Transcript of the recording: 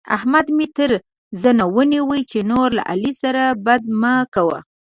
احمد مې تر زنه ونيو چې نور له علي سره بد مه کوه.